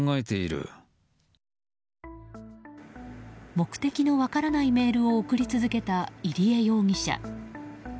目的の分からないメールを送り続けた入江容疑者。